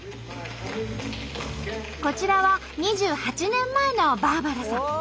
こちらは２８年前のバーバラさん。